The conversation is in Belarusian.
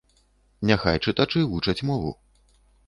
Няхай чытачы вучаць мову.